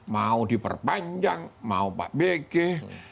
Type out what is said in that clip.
mau diperpanjang mau pak bg